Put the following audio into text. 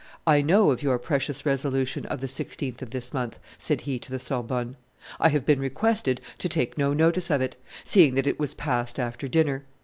"I know of your precious resolution of the 16th of this month," said he to the Sorbonne; "I have been requested to take no notice of it, seeing that it was passed after dinner.